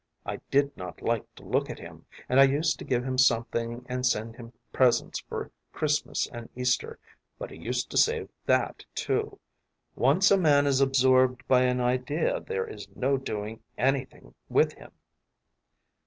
I did not like to look at him, and I used to give him something and send him presents for Christmas and Easter, but he used to save that too. Once a man is absorbed by an idea there is no doing anything with him.